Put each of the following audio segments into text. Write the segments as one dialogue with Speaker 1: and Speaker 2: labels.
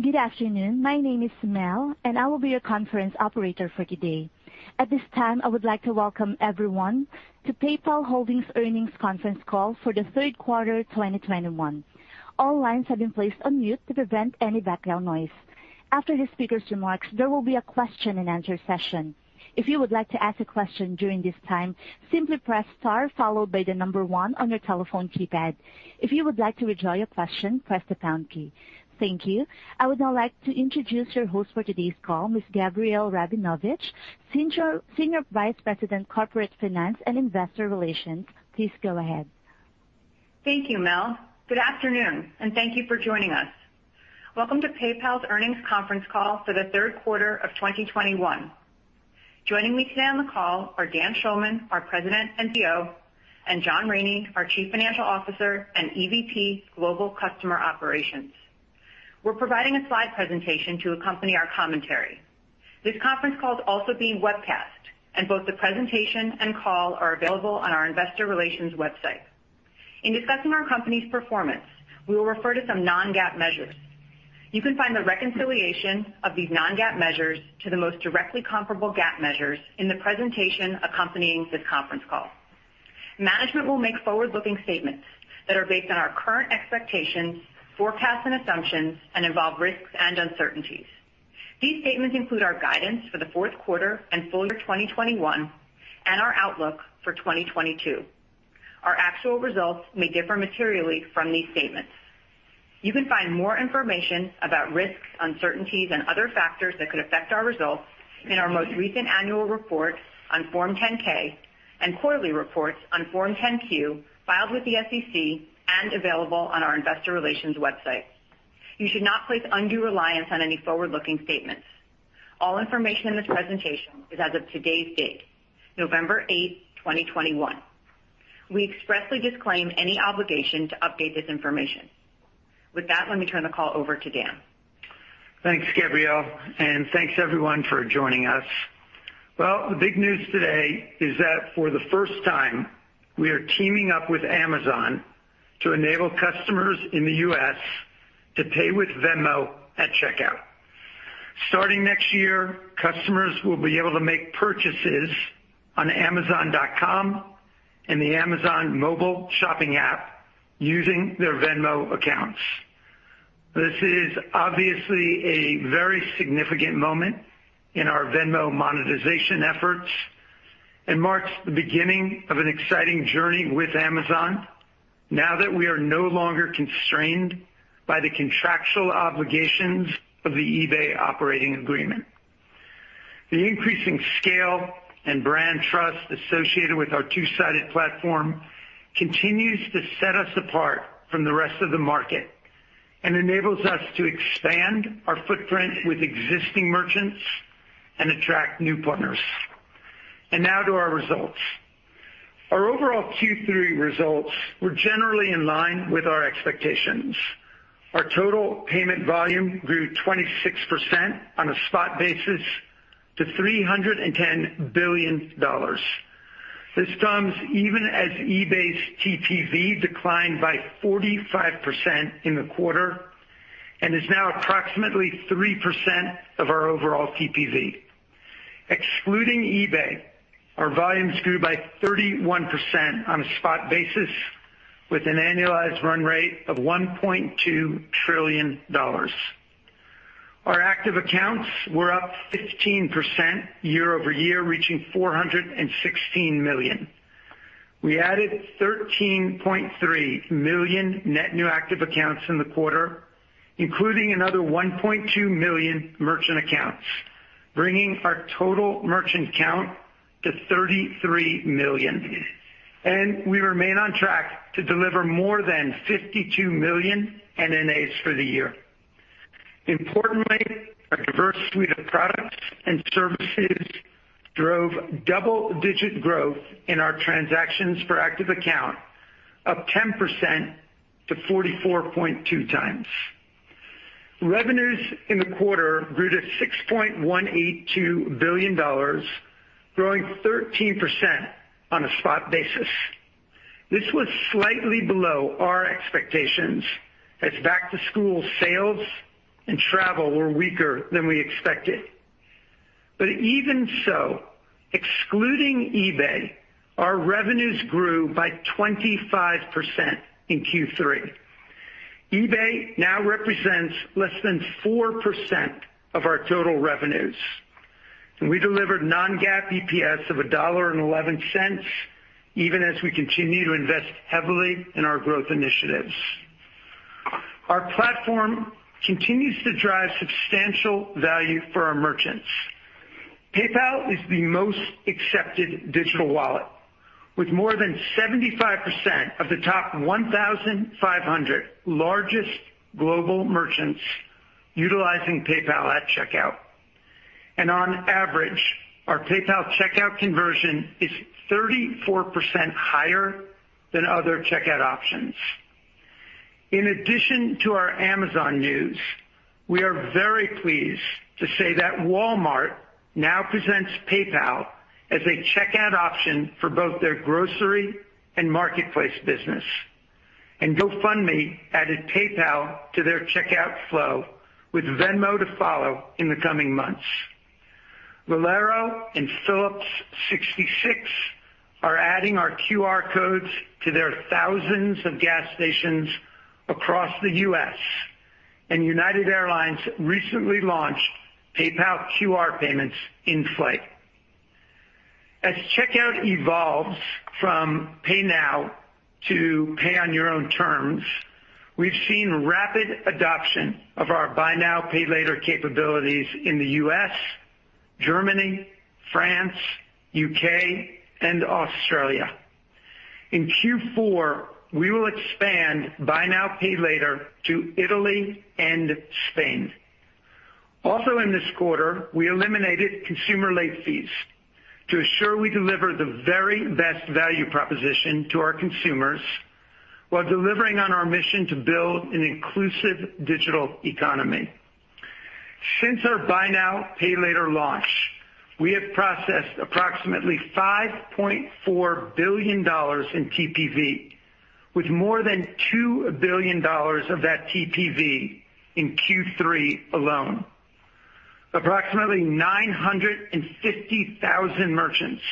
Speaker 1: Good afternoon. My name is Mel, and I will be your conference operator for today. At this time, I would like to welcome everyone to PayPal Holdings Earnings Conference Call for the Third Quarter 2021. All lines have been placed on mute to prevent any background noise. After the speaker's remarks, there will be a question-and-answer session. If you would like to ask a question during this time, simply press star followed by the number one on your telephone keypad. If you would like to withdraw your question, press the pound key. Thank you. I would now like to introduce your host for today's call, Ms. Gabrielle Rabinovitch, Senior Vice President, Corporate Finance and Investor Relations. Please go ahead.
Speaker 2: Thank you, Mel. Good afternoon, and thank you for joining us. Welcome to PayPal's Earnings Conference Call for the Third Quarter of 2021. Joining me today on the call are Dan Schulman, our President and CEO, and John Rainey, our Chief Financial Officer and EVP Global Customer Operations. We're providing a slide presentation to accompany our commentary. This conference call is also being webcast, and both the presentation and call are available on our investor relations website. In discussing our company's performance, we will refer to some non-GAAP measures. You can find the reconciliation of these non-GAAP measures to the most directly comparable GAAP measures in the presentation accompanying this conference call. Management will make forward-looking statements that are based on our current expectations, forecasts, and assumptions and involve risks and uncertainties. These statements include our guidance for the fourth quarter and full year 2021, and our outlook for 2022. Our actual results may differ materially from these statements. You can find more information about risks, uncertainties, and other factors that could affect our results in our most recent annual report on Form 10-K and quarterly reports on Form 10-Q filed with the SEC and available on our investor relations website. You should not place undue reliance on any forward-looking statements. All information in this presentation is as of today's date, November 8, 2021. We expressly disclaim any obligation to update this information. With that, let me turn the call over to Dan.
Speaker 3: Thanks, Gabrielle, and thanks everyone for joining us. Well, the big news today is that for the first time, we are teaming up with Amazon to enable customers in the U.S. to pay with Venmo at checkout. Starting next year, customers will be able to make purchases on amazon.com and the Amazon mobile shopping app using their Venmo accounts. This is obviously a very significant moment in our Venmo monetization efforts and marks the beginning of an exciting journey with Amazon now that we are no longer constrained by the contractual obligations of the eBay operating agreement. The increasing scale and brand trust associated with our two-sided platform continues to set us apart from the rest of the market and enables us to expand our footprint with existing merchants and attract new partners. Now to our results. Our overall Q3 results were generally in line with our expectations. Our total payment volume grew 26% on a spot basis to $310 billion. This comes even as eBay's TPV declined by 45% in the quarter and is now approximately 3% of our overall TPV. Excluding eBay, our volumes grew by 31% on a spot basis with an annualized run rate of $1.2 trillion. Our active accounts were up 15% year-over-year, reaching 416 million. We added 13.3 million net new active accounts in the quarter, including another 1.2 million merchant accounts, bringing our total merchant count to 33 million. We remain on track to deliver more than 52 million NNAs for the year. Importantly, our diverse suite of products and services drove double-digit growth in our transactions per active account, up 10% to 44.2x. Revenues in the quarter grew to $6.182 billion, growing 13% on a spot basis. This was slightly below our expectations as back-to-school sales and travel were weaker than we expected. Even so, excluding eBay, our revenues grew by 25% in Q3. eBay now represents less than 4% of our total revenues, and we delivered non-GAAP EPS of $1.11, even as we continue to invest heavily in our growth initiatives. Our platform continues to drive substantial value for our merchants. PayPal is the most accepted digital wallet, with more than 75% of the top 1,500 largest global merchants utilizing PayPal at checkout. On average, our PayPal checkout conversion is 34% higher than other checkout options. In addition to our Amazon news, we are very pleased to say that Walmart now presents PayPal as a checkout option for both their grocery and marketplace business. GoFundMe added PayPal to their checkout flow, with Venmo to follow in the coming months. Valero and Phillips 66 are adding our QR codes to their thousands of gas stations across the U.S., and United Airlines recently launched PayPal QR payments in flight. As checkout evolves from pay now to pay on your own terms, we've seen rapid adoption of our buy now, pay later capabilities in the U.S., Germany, France, U.K., and Australia. In Q4, we will expand buy now, pay later to Italy and Spain. Also in this quarter, we eliminated consumer late fees to assure we deliver the very best value proposition to our consumers while delivering on our mission to build an inclusive digital economy. Since our buy now, pay later launch, we have processed approximately $5.4 billion in TPV, with more than $2 billion of that TPV in Q3 alone. Approximately 950,000 merchants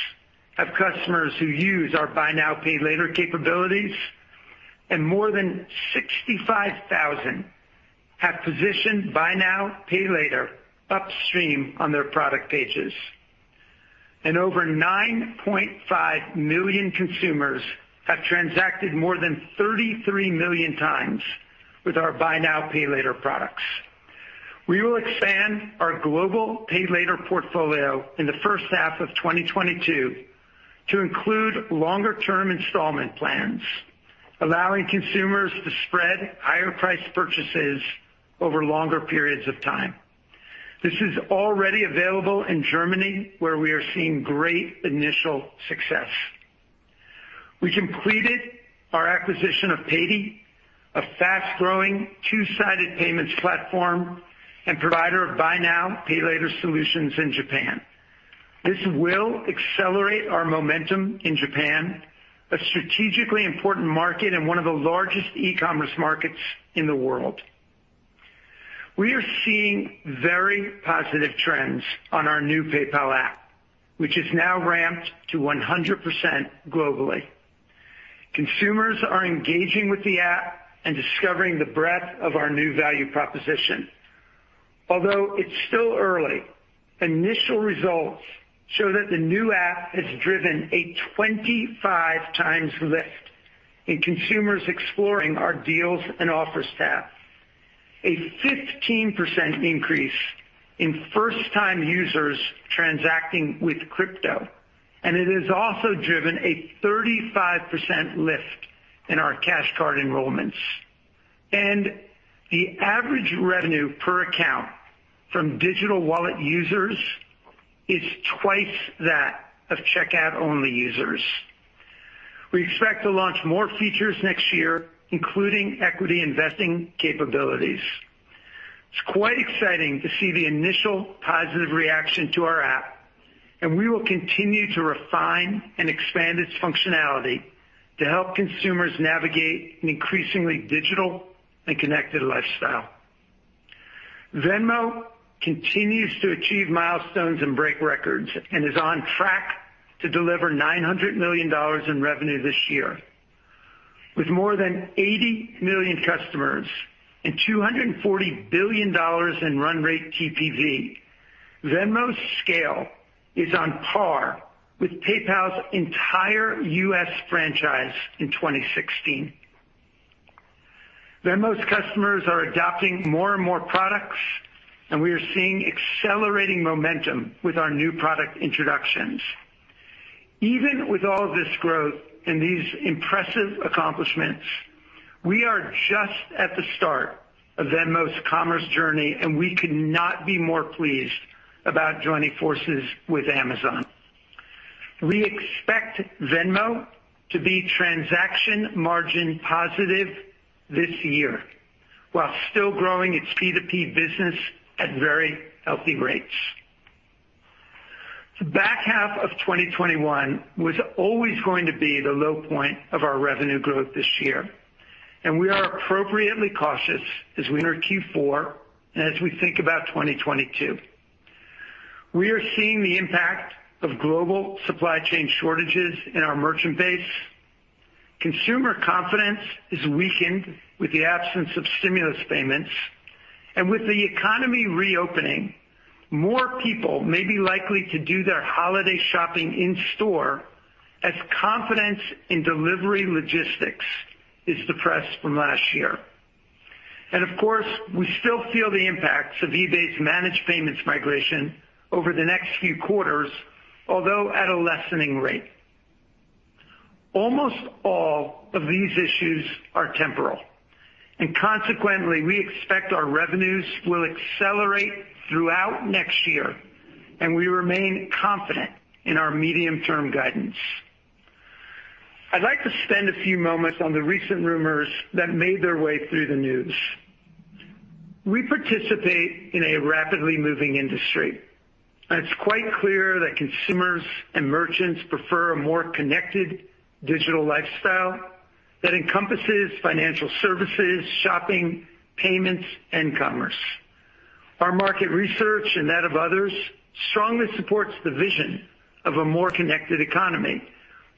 Speaker 3: have customers who use our buy now, pay later capabilities, and more than 65,000 have positioned buy now, pay later upstream on their product pages. Over 9.5 million consumers have transacted more than 33 million times with our buy now, pay later products. We will expand our global pay later portfolio in the first half of 2022 to include longer-term installment plans, allowing consumers to spread higher-priced purchases over longer periods of time. This is already available in Germany, where we are seeing great initial success. We completed our acquisition of Paidy, a fast-growing two-sided payments platform and provider of buy now, pay later solutions in Japan. This will accelerate our momentum in Japan, a strategically important market and one of the largest e-commerce markets in the world. We are seeing very positive trends on our new PayPal app, which is now ramped to 100% globally. Consumers are engaging with the app and discovering the breadth of our new value proposition. Although it's still early, initial results show that the new app has driven a 25x lift in consumers exploring our deals and offers tab, a 15% increase in first-time users transacting with crypto, and it has also driven a 35% lift in our Cash Card enrollments. The average revenue per account from digital wallet users is twice that of checkout-only users. We expect to launch more features next year, including equity investing capabilities. It's quite exciting to see the initial positive reaction to our app, and we will continue to refine and expand its functionality to help consumers navigate an increasingly digital and connected lifestyle. Venmo continues to achieve milestones and break records and is on track to deliver $900 million in revenue this year. With more than 80 million customers and $240 billion in run rate TPV, Venmo's scale is on par with PayPal's entire U.S. franchise in 2016. Venmo's customers are adopting more and more products, and we are seeing accelerating momentum with our new product introductions. Even with all this growth and these impressive accomplishments, we are just at the start of Venmo's commerce journey, and we could not be more pleased about joining forces with Amazon. We expect Venmo to be transaction margin positive this year while still growing its P2P business at very healthy rates. The back half of 2021 was always going to be the low point of our revenue growth this year, and we are appropriately cautious as we enter Q4 and as we think about 2022. We are seeing the impact of global supply chain shortages in our merchant base. Consumer confidence is weakened with the absence of stimulus payments. With the economy reopening, more people may be likely to do their holiday shopping in store as confidence in delivery logistics is suppressed from last year. Of course, we still feel the impacts of eBay's managed payments migration over the next few quarters, although at a lessening rate. Almost all of these issues are temporal, and consequently, we expect our revenues will accelerate throughout next year, and we remain confident in our medium-term guidance. I'd like to spend a few moments on the recent rumors that made their way through the news. We participate in a rapidly moving industry, and it's quite clear that consumers and merchants prefer a more connected digital lifestyle that encompasses financial services, shopping, payments, and commerce. Our market research and that of others strongly supports the vision of a more connected economy,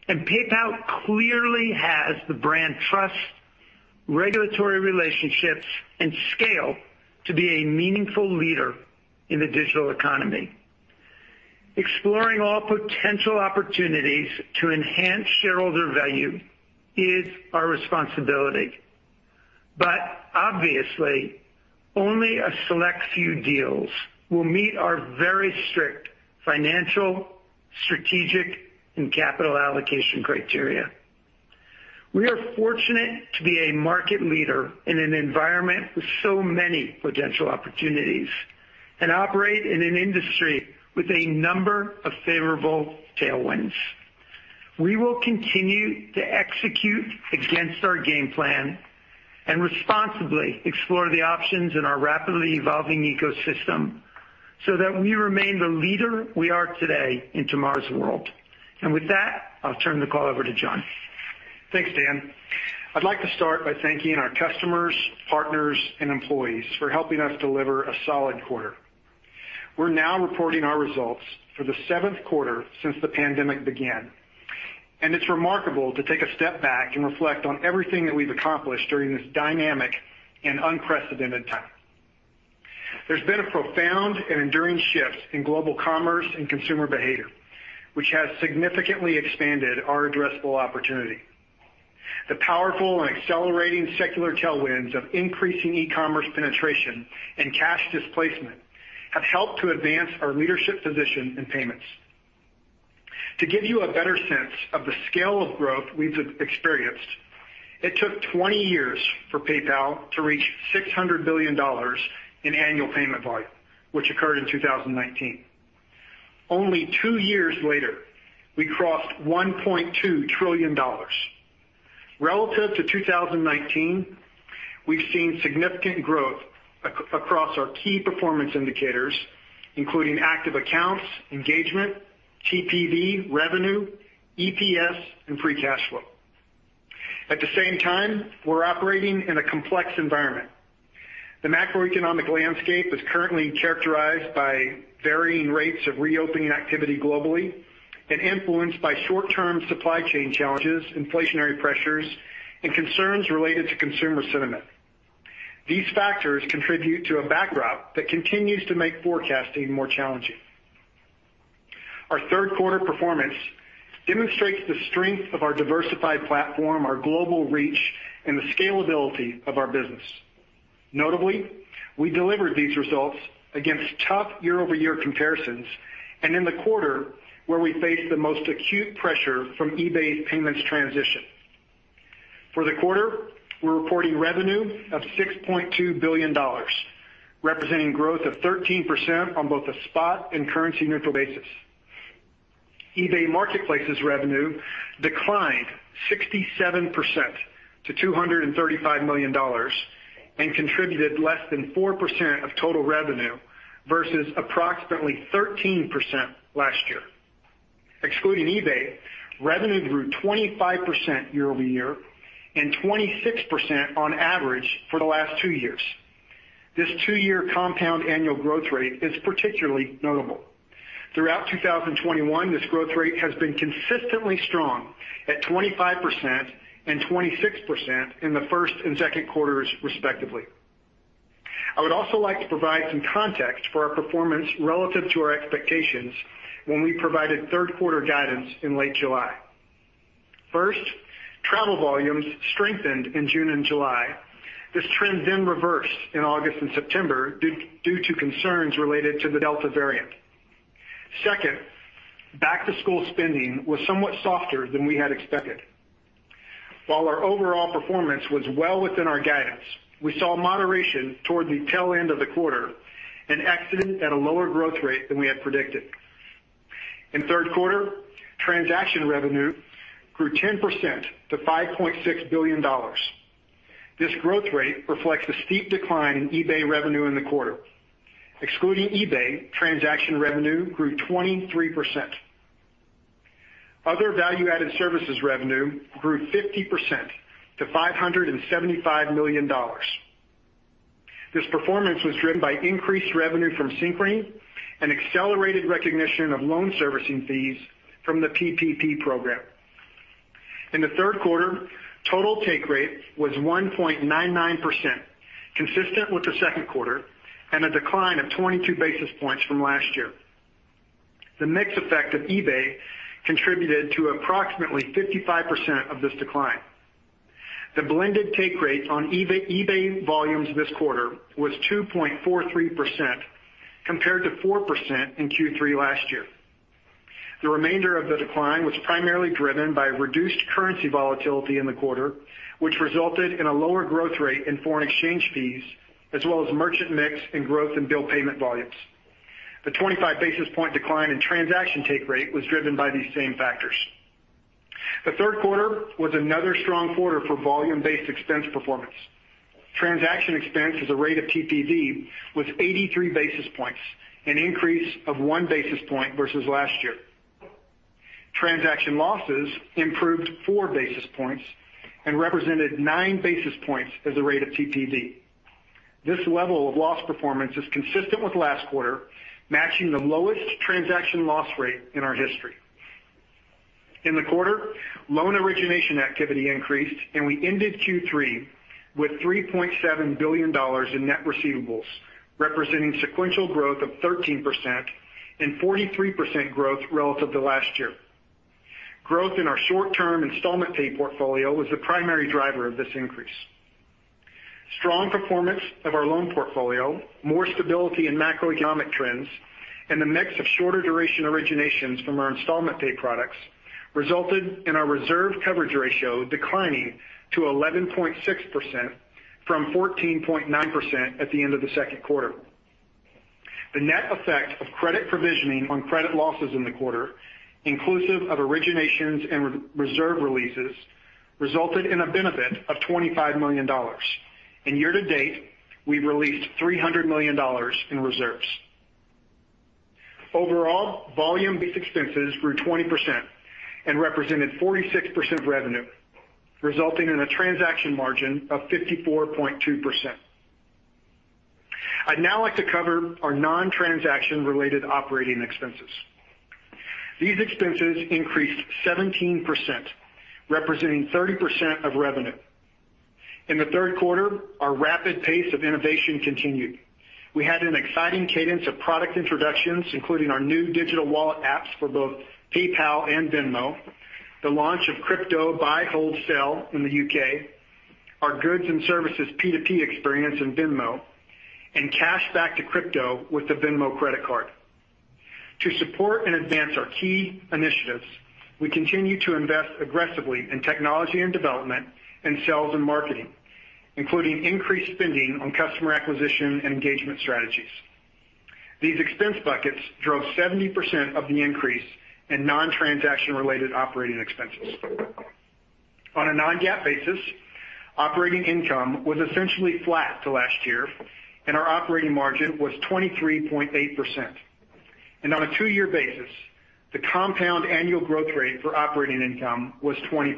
Speaker 3: and PayPal clearly has the brand trust, regulatory relationships, and scale to be a meaningful leader in the digital economy. Exploring all potential opportunities to enhance shareholder value is our responsibility. Obviously, only a select few deals will meet our very strict financial, strategic, and capital allocation criteria. We are fortunate to be a market leader in an environment with so many potential opportunities and operate in an industry with a number of favorable tailwinds. We will continue to execute against our game plan and responsibly explore the options in our rapidly evolving ecosystem so that we remain the leader we are today in tomorrow's world. With that, I'll turn the call over to John.
Speaker 4: Thanks, Dan. I'd like to start by thanking our customers, partners, and employees for helping us deliver a solid quarter. We're now reporting our results for the seventh quarter since the pandemic began, and it's remarkable to take a step back and reflect on everything that we've accomplished during this dynamic and unprecedented time. There's been a profound and enduring shift in global commerce and consumer behavior, which has significantly expanded our addressable opportunity. The powerful and accelerating secular tailwinds of increasing e-commerce penetration and cash displacement have helped to advance our leadership position in payments. To give you a better sense of the scale of growth we've experienced, it took 20 years for PayPal to reach $600 billion in annual payment volume, which occurred in 2019. Only two years later, we crossed $1.2 trillion. Relative to 2019, we've seen significant growth across our key performance indicators, including active accounts, engagement, TPV, revenue, EPS, and free cash flow. At the same time, we're operating in a complex environment. The macroeconomic landscape is currently characterized by varying rates of reopening activity globally and influenced by short-term supply chain challenges, inflationary pressures, and concerns related to consumer sentiment. These factors contribute to a backdrop that continues to make forecasting more challenging. Our third quarter performance demonstrates the strength of our diversified platform, our global reach, and the scalability of our business. Notably, we delivered these results against tough year-over-year comparisons and in the quarter where we face the most acute pressure from eBay's payments transition. For the quarter, we're reporting revenue of $6.2 billion, representing growth of 13% on both a spot and currency neutral basis. eBay Marketplace's revenue declined 67% to $235 million and contributed less than 4% of total revenue versus approximately 13% last year. Excluding eBay, revenue grew 25% year over year and 26% on average for the last two years. This two-year compound annual growth rate is particularly notable. Throughout 2021, this growth rate has been consistently strong at 25% and 26% in the first and second quarters, respectively. I would also like to provide some context for our performance relative to our expectations when we provided third quarter guidance in late July. First, travel volumes strengthened in June and July. This trend then reversed in August and September due to concerns related to the Delta variant. Second, back-to-school spending was somewhat softer than we had expected. While our overall performance was well within our guidance, we saw moderation toward the tail end of the quarter and exited at a lower growth rate than we had predicted. In the third quarter, transaction revenue grew 10% to $5.6 billion. This growth rate reflects the steep decline in eBay revenue in the quarter. Excluding eBay, transaction revenue grew 23%. Other value-added services revenue grew 50% to $575 million. This performance was driven by increased revenue from Synchrony and accelerated recognition of loan servicing fees from the PPP program. In the third quarter, total take rate was 1.99%, consistent with the second quarter and a decline of 22 basis points from last year. The mix effect of eBay contributed to approximately 55% of this decline. The blended take rate on eBay volumes this quarter was 2.43% compared to 4% in Q3 last year. The remainder of the decline was primarily driven by reduced currency volatility in the quarter, which resulted in a lower growth rate in foreign exchange fees as well as merchant mix and growth in bill payment volumes. The 25 basis point decline in transaction take rate was driven by these same factors. The third quarter was another strong quarter for volume-based expense performance. Transaction expense as a rate of TPV was 83 basis points, an increase of 1 basis point versus last year. Transaction losses improved 4 basis points and represented 9 basis points as a rate of TPV. This level of loss performance is consistent with last quarter, matching the lowest transaction loss rate in our history. In the quarter, loan origination activity increased, and we ended Q3 with $3.7 billion in net receivables, representing sequential growth of 13% and 43% growth relative to last year. Growth in our short-term installment pay portfolio was the primary driver of this increase. Strong performance of our loan portfolio, more stability in macroeconomic trends, and the mix of shorter duration originations from our installment pay products resulted in our reserve coverage ratio declining to 11.6% from 14.9% at the end of the second quarter. The net effect of credit provisioning on credit losses in the quarter, inclusive of originations and reserve releases, resulted in a benefit of $25 million. Year to date, we've released $300 million in reserves. Overall, volume-based expenses grew 20% and represented 46% of revenue, resulting in a transaction margin of 54.2%. I'd now like to cover our non-transaction related operating expenses. These expenses increased 17%, representing 30% of revenue. In the third quarter, our rapid pace of innovation continued. We had an exciting cadence of product introductions, including our new digital wallet apps for both PayPal and Venmo, the launch of crypto buy, hold, sell in the U.K., our goods and services P2P experience in Venmo, and cash back to crypto with the Venmo Credit Card. To support and advance our key initiatives, we continue to invest aggressively in technology and development and sales and marketing, including increased spending on customer acquisition and engagement strategies. These expense buckets drove 70% of the increase in non-transaction related operating expenses. On a non-GAAP basis, operating income was essentially flat to last year, and our operating margin was 23.8%. On a two-year basis, the compound annual growth rate for operating income was 20%.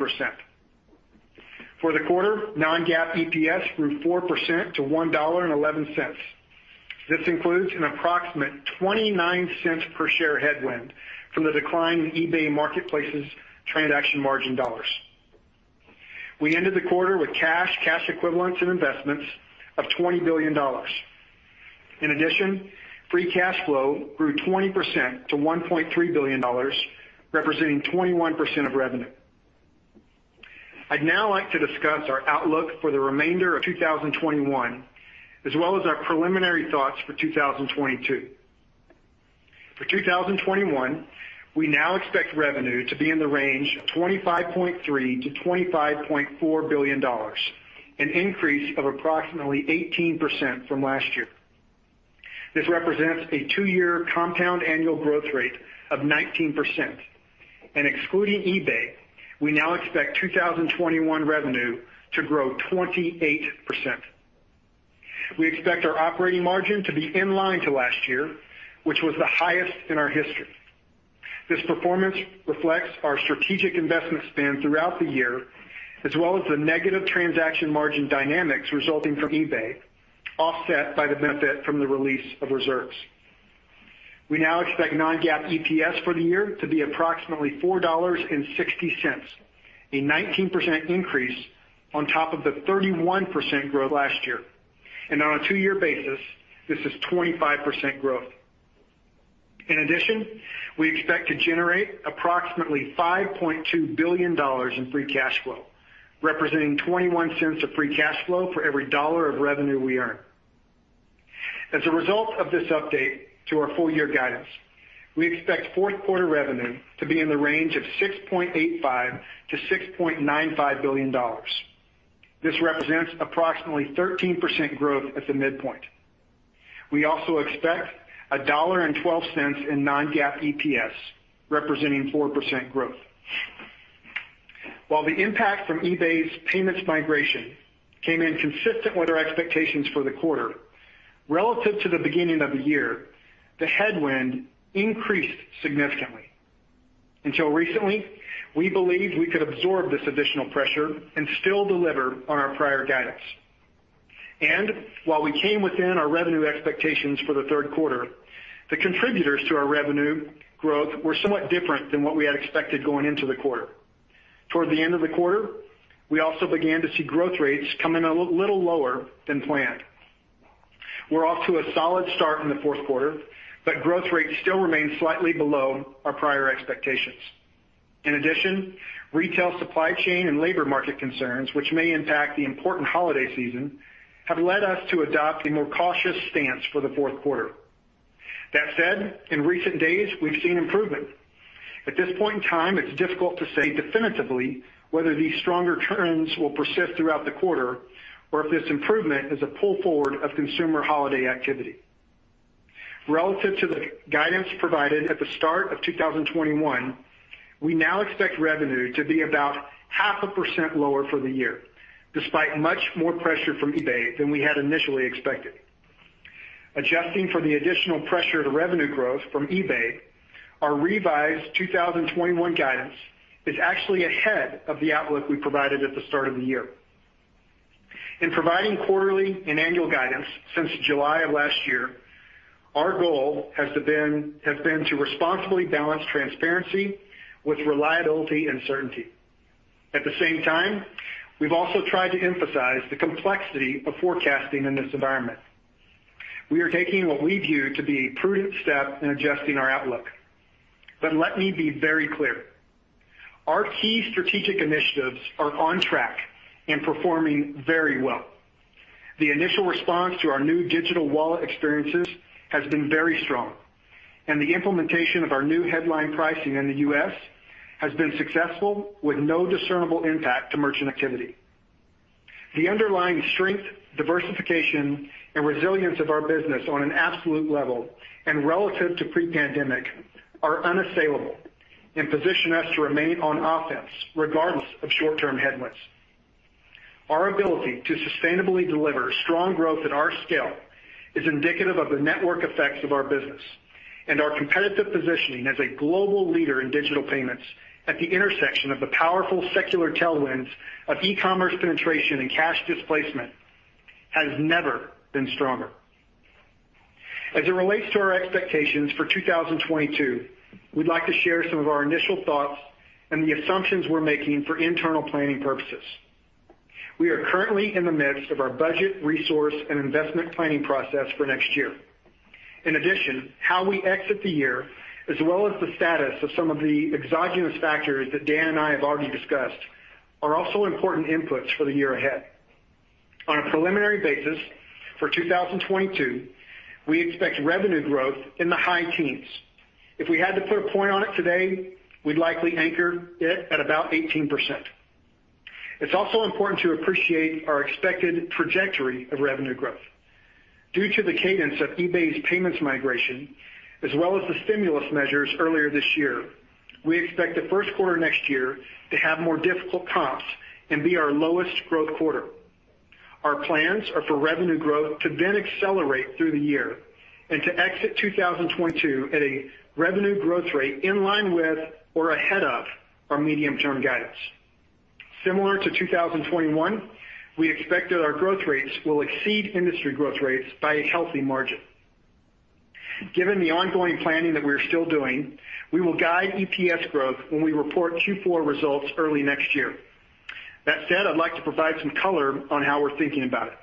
Speaker 4: For the quarter, non-GAAP EPS grew 4% to $1.11. This includes an approximate $0.29 per share headwind from the decline in eBay Marketplace's transaction margin dollars. We ended the quarter with cash, cash equivalents, and investments of $20 billion. In addition, free cash flow grew 20% to $1.3 billion, representing 21% of revenue. I'd now like to discuss our outlook for the remainder of 2021, as well as our preliminary thoughts for 2022. For 2021, we now expect revenue to be in the range of $25.3 billion-$25.4 billion, an increase of approximately 18% from last year. This represents a two-year compound annual growth rate of 19%. Excluding eBay, we now expect 2021 revenue to grow 28%. We expect our operating margin to be in line with last year, which was the highest in our history. This performance reflects our strategic investment spend throughout the year, as well as the negative transaction margin dynamics resulting from eBay, offset by the benefit from the release of reserves. We now expect non-GAAP EPS for the year to be approximately $4.60, a 19% increase on top of the 31% growth last year. On a two-year basis, this is 25% growth. In addition, we expect to generate approximately $5.2 billion in free cash flow, representing $0.21 of free cash flow for every dollar of revenue we earn. As a result of this update to our full year guidance, we expect fourth quarter revenue to be in the range of $6.85 billion-$6.95 billion. This represents approximately 13% growth at the midpoint. We also expect $1.12 in non-GAAP EPS, representing 4% growth. While the impact from eBay's payments migration came in consistent with our expectations for the quarter, relative to the beginning of the year, the headwind increased significantly. Until recently, we believed we could absorb this additional pressure and still deliver on our prior guidance. While we came within our revenue expectations for the third quarter, the contributors to our revenue growth were somewhat different than what we had expected going into the quarter. Toward the end of the quarter, we also began to see growth rates come in a little lower than planned. We're off to a solid start in the fourth quarter, but growth rates still remain slightly below our prior expectations. In addition, retail supply chain and labor market concerns, which may impact the important holiday season, have led us to adopt a more cautious stance for the fourth quarter. That said, in recent days, we've seen improvement. At this point in time, it's difficult to say definitively whether these stronger trends will persist throughout the quarter or if this improvement is a pull forward of consumer holiday activity. Relative to the guidance provided at the start of 2021, we now expect revenue to be about 0.5% lower for the year, despite much more pressure from eBay than we had initially expected. Adjusting for the additional pressure to revenue growth from eBay, our revised 2021 guidance is actually ahead of the outlook we provided at the start of the year. In providing quarterly and annual guidance since July of last year, our goal has been to responsibly balance transparency with reliability and certainty. At the same time, we've also tried to emphasize the complexity of forecasting in this environment. We are taking what we view to be a prudent step in adjusting our outlook. Let me be very clear. Our key strategic initiatives are on track and performing very well. The initial response to our new digital wallet experiences has been very strong, and the implementation of our new headline pricing in the U.S. has been successful with no discernible impact to merchant activity. The underlying strength, diversification, and resilience of our business on an absolute level and relative to pre-pandemic are unassailable and position us to remain on offense regardless of short-term headwinds. Our ability to sustainably deliver strong growth at our scale is indicative of the network effects of our business and our competitive positioning as a global leader in digital payments at the intersection of the powerful secular tailwinds of e-commerce penetration and cash displacement has never been stronger. As it relates to our expectations for 2022, we'd like to share some of our initial thoughts and the assumptions we're making for internal planning purposes. We are currently in the midst of our budget, resource, and investment planning process for next year. In addition, how we exit the year, as well as the status of some of the exogenous factors that Dan and I have already discussed, are also important inputs for the year ahead. On a preliminary basis for 2022, we expect revenue growth in the high teens. If we had to put a point on it today, we'd likely anchor it at about 18%. It's also important to appreciate our expected trajectory of revenue growth. Due to the cadence of eBay's payments migration as well as the stimulus measures earlier this year, we expect the first quarter next year to have more difficult comps and be our lowest growth quarter. Our plans are for revenue growth to then accelerate through the year and to exit 2022 at a revenue growth rate in line with or ahead of our medium-term guidance. Similar to 2021, we expect that our growth rates will exceed industry growth rates by a healthy margin. Given the ongoing planning that we're still doing, we will guide EPS growth when we report Q4 results early next year. That said, I'd like to provide some color on how we're thinking about it.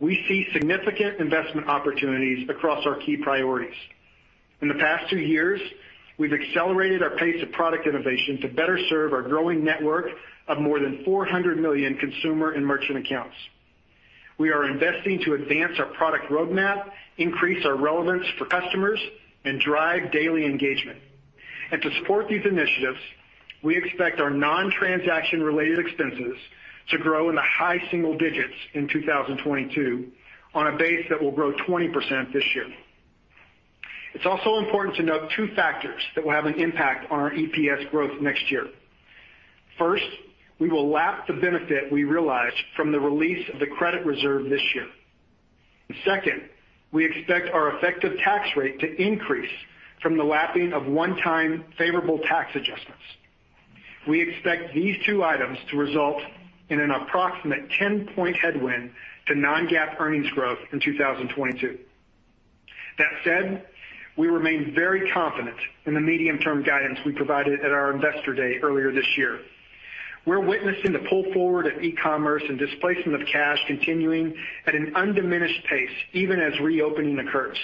Speaker 4: We see significant investment opportunities across our key priorities. In the past two years, we've accelerated our pace of product innovation to better serve our growing network of more than 400 million consumer and merchant accounts. We are investing to advance our product roadmap, increase our relevance for customers and drive daily engagement. To support these initiatives, we expect our non-transaction related expenses to grow in the high single digits in 2022 on a base that will grow 20% this year. It's also important to note two factors that will have an impact on our EPS growth next year. First, we will lap the benefit we realized from the release of the credit reserve this year. Second, we expect our effective tax rate to increase from the lapping of one-time favorable tax adjustments. We expect these two items to result in an approximate 10-point headwind to non-GAAP earnings growth in 2022. That said, we remain very confident in the medium-term guidance we provided at our Investor Day earlier this year. We're witnessing the pull forward of e-commerce and displacement of cash continuing at an undiminished pace, even as reopening occurs.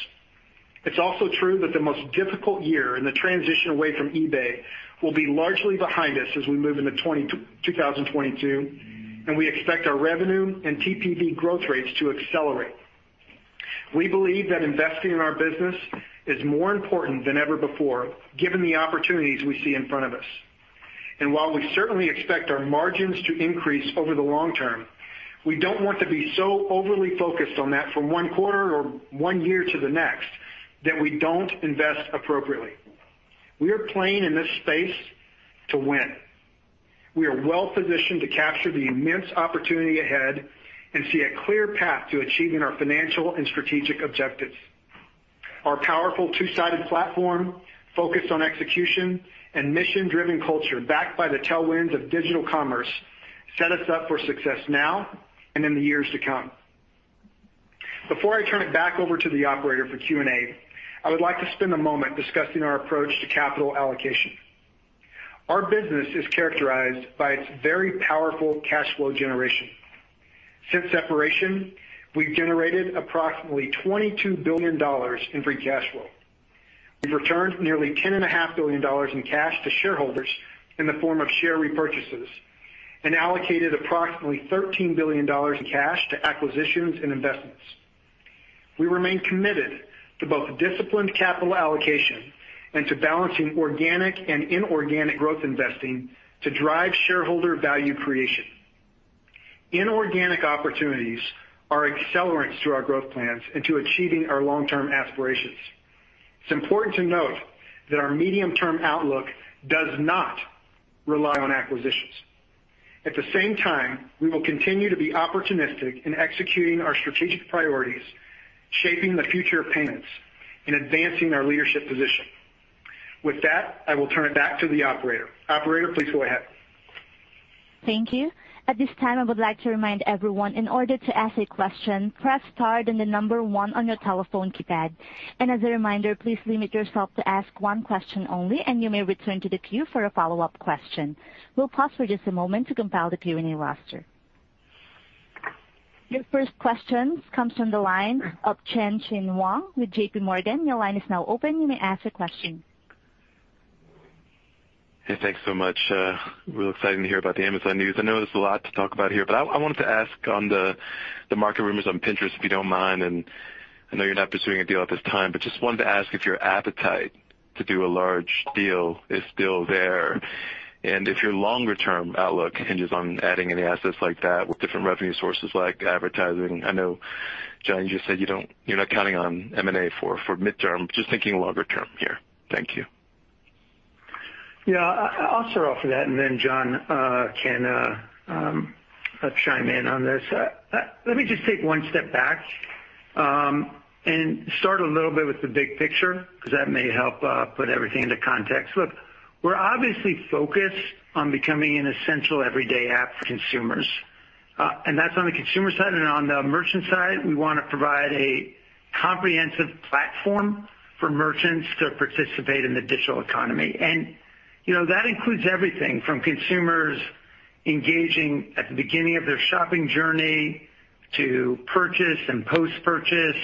Speaker 4: It's also true that the most difficult year in the transition away from eBay will be largely behind us as we move into 2022, and we expect our revenue and TPV growth rates to accelerate. We believe that investing in our business is more important than ever before, given the opportunities we see in front of us. While we certainly expect our margins to increase over the long term, we don't want to be so overly focused on that from one quarter or one year to the next that we don't invest appropriately. We are playing in this space to win. We are well-positioned to capture the immense opportunity ahead and see a clear path to achieving our financial and strategic objectives. Our powerful two-sided platform, focused on execution and mission-driven culture backed by the tailwinds of digital commerce, set us up for success now and in the years to come. Before I turn it back over to the operator for Q&A, I would like to spend a moment discussing our approach to capital allocation. Our business is characterized by its very powerful cash flow generation. Since separation, we've generated approximately $22 billion in free cash flow. We've returned nearly $10.5 billion in cash to shareholders in the form of share repurchases and allocated approximately $13 billion in cash to acquisitions and investments. We remain committed to both disciplined capital allocation and to balancing organic and inorganic growth investing to drive shareholder value creation. Inorganic opportunities are accelerants to our growth plans and to achieving our long-term aspirations. It's important to note that our medium-term outlook does not rely on acquisitions. At the same time, we will continue to be opportunistic in executing our strategic priorities, shaping the future of payments, and advancing our leadership position. With that, I will turn it back to the operator. Operator, please go ahead.
Speaker 1: Thank you. At this time, I would like to remind everyone, in order to ask a question, press star, then the number one on your telephone keypad. As a reminder, please limit yourself to ask one question only, and you may return to the queue for a follow-up question. We'll pause for just a moment to compile the Q&A roster. Your first question comes from the line of Tien-Tsin Huang with JPMorgan. Your line is now open. You may ask your question.
Speaker 5: Hey, thanks so much. Real exciting to hear about the Amazon news. I know there's a lot to talk about here, but I wanted to ask on the market rumors on Pinterest, if you don't mind. I know you're not pursuing a deal at this time, but just wanted to ask if your appetite to do a large deal is still there, and if your longer-term outlook hinges on adding any assets like that with different revenue sources like advertising. I know, John, you just said you're not counting on M&A for midterm, just thinking longer term here. Thank you.
Speaker 3: I'll start off with that, and then John can chime in on this. Let me just take one step back and start a little bit with the big picture 'cause that may help put everything into context. Look, we're obviously focused on becoming an essential everyday app for consumers, and that's on the consumer side. On the merchant side, we wanna provide a comprehensive platform for merchants to participate in the digital economy. You know, that includes everything from consumers engaging at the beginning of their shopping journey to purchase and post-purchase.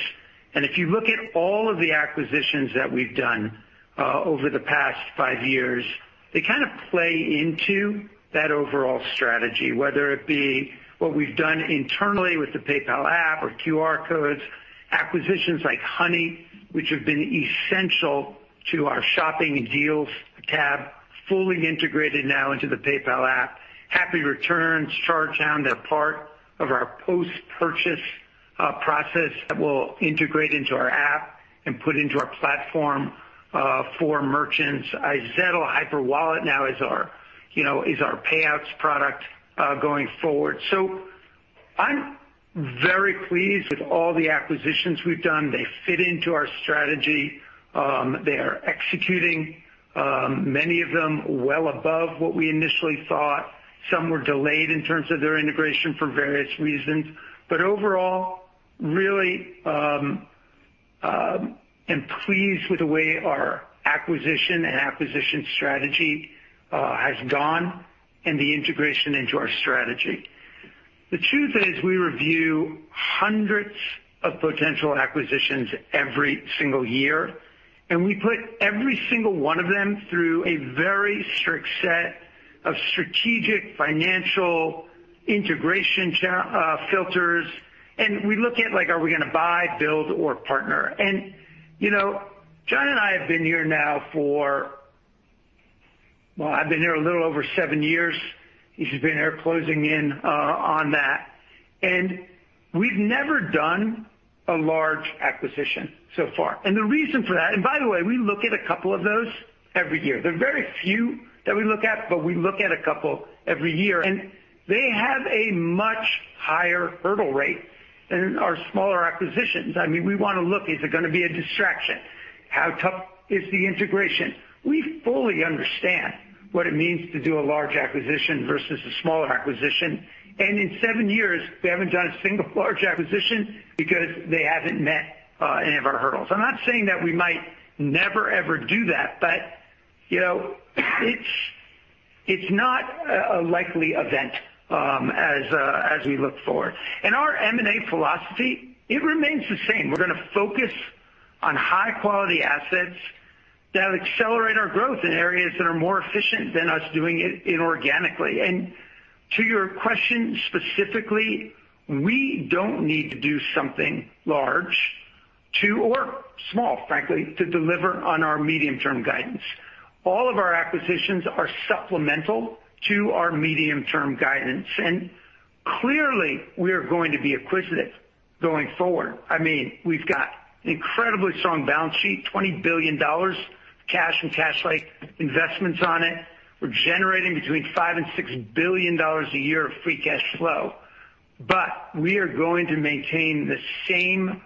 Speaker 3: If you look at all of the acquisitions that we've done over the past five years, they kind of play into that overall strategy, whether it be what we've done internally with the PayPal app or QR codes, acquisitions like Honey, which have been essential to our shopping and deals tab, fully integrated now into the PayPal app. Happy Returns, Chargehound, they're part of our post-purchase process that will integrate into our app and put into our platform for merchants. iZettle, Hyperwallet now is our, you know, is our payouts product going forward. I'm very pleased with all the acquisitions we've done by fitting into our strategy. They are executing, many of them well above what we initially thought. Some were delayed in terms of their integration for various reasons. Overall, really, I am pleased with the way our acquisition strategy has gone and the integration into our strategy. The truth is, we review hundreds of potential acquisitions every single year, and we put every single one of them through a very strict set of strategic financial integration filters. We look at, like, are we gonna buy, build, or partner? You know, John and I have been here now for. Well, I've been here a little over seven years. He's been here closing in on that. We've never done a large acquisition so far. The reason for that, and by the way, we look at a couple of those every year. There are very few that we look at, but we look at a couple every year, and they have a much higher hurdle rate than our smaller acquisitions. I mean, we wanna look, is it gonna be a distraction? How tough is the integration? We fully understand what it means to do a large acquisition versus a smaller acquisition. In seven years, we haven't done a single large acquisition because they haven't met any of our hurdles. I'm not saying that we might never, ever do that, but, you know, it's not a likely event, as we look forward. Our M&A philosophy, it remains the same. We're gonna focus on high-quality assets that accelerate our growth in areas that are more efficient than us doing it inorganically. To your question specifically, we don't need to do something large or small, frankly, to deliver on our medium-term guidance. All of our acquisitions are supplemental to our medium-term guidance. Clearly, we are going to be acquisitive going forward. I mean, we've got incredibly strong balance sheet, $20 billion cash and cash-like investments on it. We're generating between $5 billion and $6 billion a year of free cash flow. We are going to maintain the same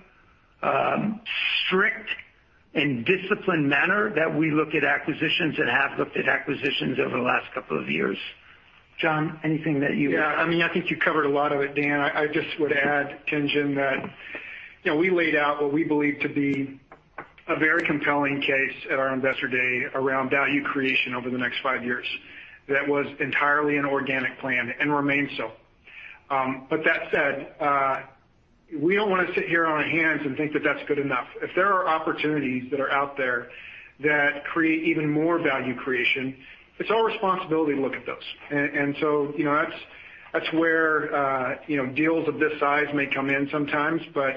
Speaker 3: strict and disciplined manner that we look at acquisitions and have looked at acquisitions over the last couple of years. John, anything that you
Speaker 4: Yeah. I mean, I think you covered a lot of it, Dan. I just would add, Tien-Tsin, that, you know, we laid out what we believe to be a very compelling case at our Investor Day around value creation over the next five years. That was entirely an organic plan and remains so. But that said, we don't wanna sit here on our hands and think that that's good enough. If there are opportunities that are out there that create even more value creation, it's our responsibility to look at those. And so, you know, that's where, you know, deals of this size may come in sometimes, but,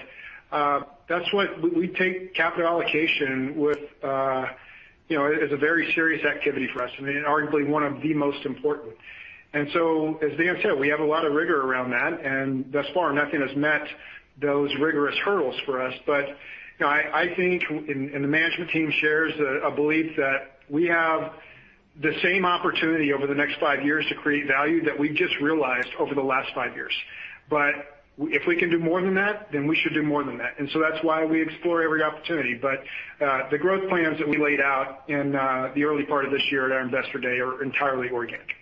Speaker 4: that's what we take capital allocation with, you know, as a very serious activity for us, I mean, arguably one of the most important. As Dan said, we have a lot of rigor around that, and thus far, nothing has met those rigorous hurdles for us. The management team shares a belief that we have the same opportunity over the next five years to create value that we just realized over the last five years. If we can do more than that, then we should do more than that. That's why we explore every opportunity. The growth plans that we laid out in the early part of this year at our Investor Day are entirely organic.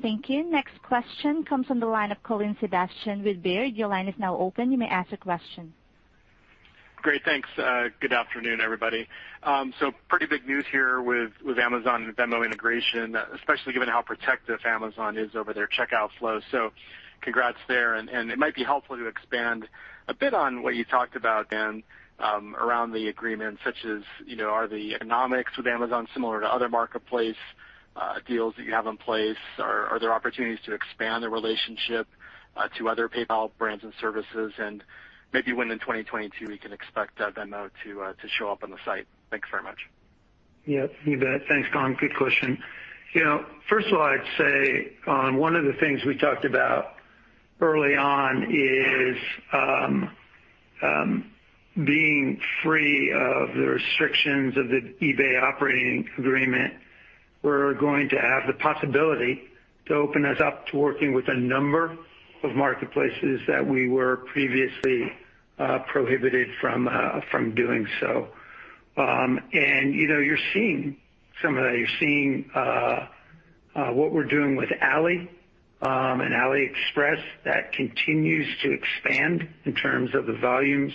Speaker 1: Thank you. Next question comes from the line of Colin Sebastian with Baird. Your line is now open. You may ask a question.
Speaker 6: Great. Thanks. Good afternoon, everybody. Pretty big news here with Amazon and Venmo integration, especially given how protective Amazon is over their checkout flow. Congrats there. It might be helpful to expand a bit on what you talked about then, around the agreement, such as, you know, are the economics with Amazon similar to other marketplace deals that you have in place? Are there opportunities to expand the relationship to other PayPal brands and services? Maybe when in 2022 we can expect Venmo to show up on the site. Thanks very much.
Speaker 3: Yeah, you bet. Thanks, Colin. Good question. You know, first of all, I'd say on one of the things we talked about early on is, being free of the restrictions of the eBay operating agreement, we're going to have the possibility to open us up to working with a number of marketplaces that we were previously, prohibited from doing so. You know, you're seeing some of that. You're seeing, what we're doing with Ali, and AliExpress that continues to expand in terms of the volumes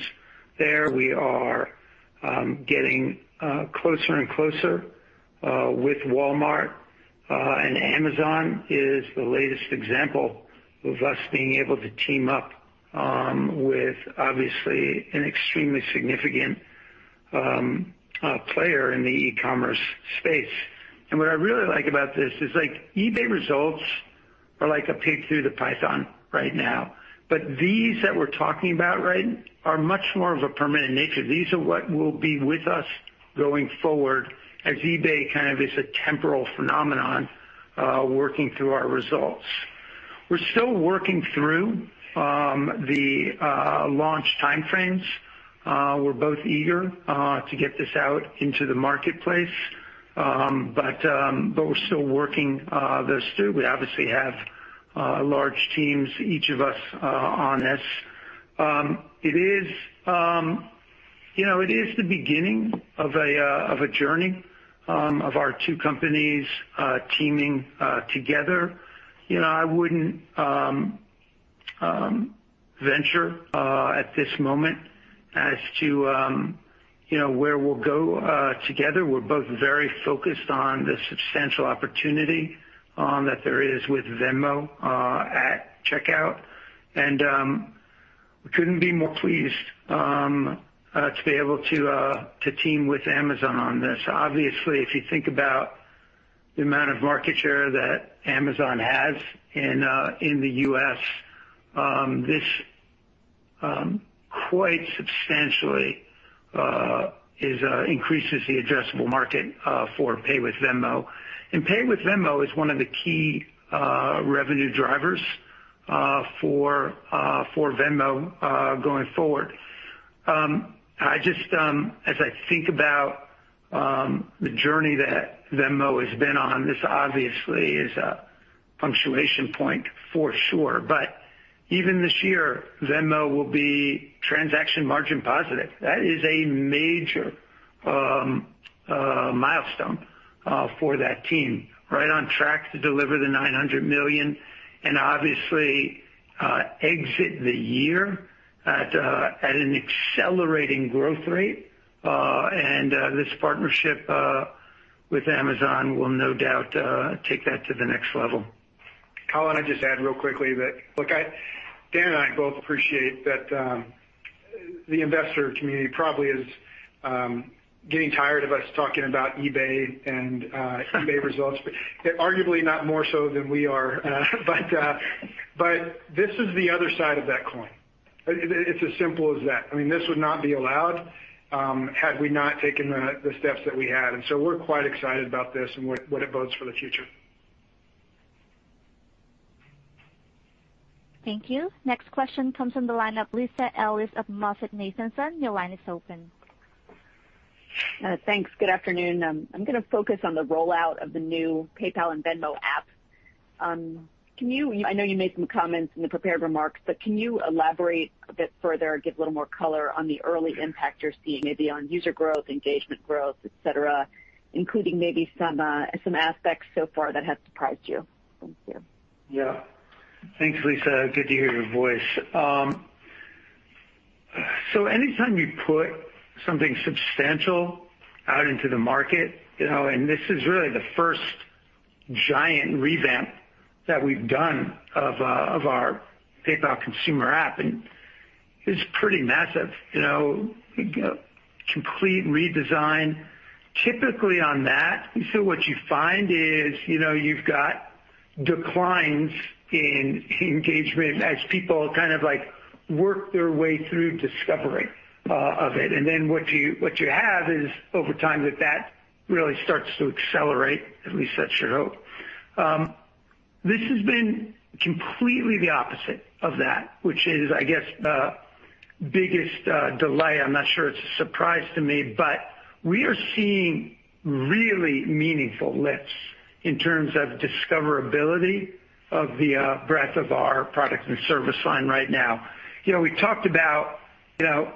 Speaker 3: there. We are, getting, closer and closer, with Walmart, and Amazon is the latest example of us being able to team up, with obviously an extremely significant, player in the e-commerce space. What I really like about this is like eBay results are like a pig through the python right now. These that we're talking about right are much more of a permanent nature. These are what will be with us going forward as eBay kind of is a temporal phenomenon working through our results. We're still working through the launch time frames. We're both eager to get this out into the marketplace, but we're still working those through. We obviously have large teams, each of us, on this. It is, you know, the beginning of a journey of our two companies teaming together. You know, I wouldn't venture at this moment as to, you know, where we'll go together. We're both very focused on the substantial opportunity that there is with Venmo at checkout. We couldn't be more pleased to be able to team with Amazon on this. Obviously, if you think about the amount of market share that Amazon has in the U.S., this quite substantially increases the addressable market for Pay with Venmo. Pay with Venmo is one of the key revenue drivers for Venmo going forward. I just as I think about the journey that Venmo has been on, this obviously is a punctuation point for sure. Even this year, Venmo will be transaction margin positive. That is a major milestone for that team, right on track to deliver the $900 million and obviously exit the year at an accelerating growth rate. This partnership with Amazon will no doubt take that to the next level.
Speaker 4: Colin, I'd just add real quickly that, look, Dan and I both appreciate that, the investor community probably is getting tired of us talking about eBay and eBay results, but arguably not more so than we are. But this is the other side of that coin. It's as simple as that. I mean, this would not be allowed had we not taken the steps that we had. We're quite excited about this and what it bodes for the future.
Speaker 1: Thank you. Next question comes from the line of Lisa Ellis of MoffettNathanson. Your line is open.
Speaker 7: Thanks. Good afternoon. I'm gonna focus on the rollout of the new PayPal and Venmo app. I know you made some comments in the prepared remarks, but can you elaborate a bit further or give a little more color on the early impact you're seeing maybe on user growth, engagement growth, et cetera, including maybe some aspects so far that have surprised you? Thank you.
Speaker 3: Yeah. Thanks, Lisa. Good to hear your voice. So anytime you put something substantial out into the market, you know, and this is really the first giant revamp that we've done of our PayPal consumer app, and it's pretty massive, you know. A complete redesign. Typically on that, so what you find is, you know, you've got declines in engagement as people kind of like work their way through discovery of it. And then what you have is over time that really starts to accelerate. At least that's your hope. This has been completely the opposite of that, which is, I guess, the biggest delay. I'm not sure it's a surprise to me, but we are seeing really meaningful lifts in terms of discoverability of the breadth of our product and service line right now. You know, we talked about, you know,